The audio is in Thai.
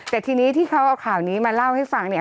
แต่ทีนี้ที่เขาเอาข่าวนี้มาเล่าให้ฟังเนี่ย